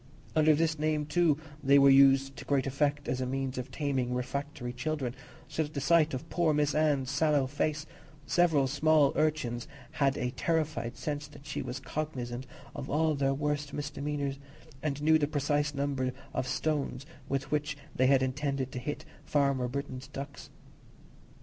Under this name too, they were used with great effect as a means of taming refractory children, so that at the sight of poor Miss Anne's sallow face, several small urchins had a terrified sense that she was cognizant of all their worst misdemeanours, and knew the precise number of stones with which they had intended to hit Farmer Britton's ducks.